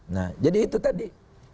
nah jadi itu tadi